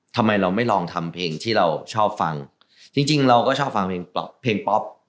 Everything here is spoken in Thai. ทำไมเราไม่ลองทำเพลงที่เราชอบฟังจริงจริงเราก็ชอบฟังเพลงป๊อปเพลงป๊อป